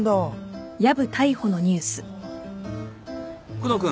・久能君